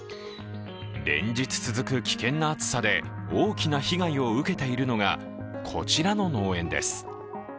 連日続く危険な暑さで、大きな被害を受けているのが、こちらの農園です。